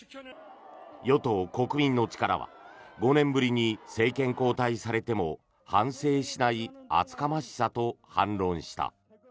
与党・国民の力は５年ぶりに政権交代されても反省しない厚かましさと反論した。